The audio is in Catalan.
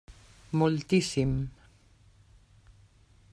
Moltíssim.